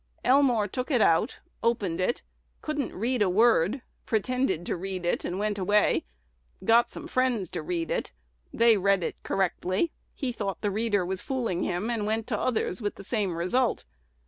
Elmore took it out; opened it; couldn't read a word; pretended to read it; went away; got some friends to read it: they read it correctly; he thought the reader was fooling him, and went to others with the same result.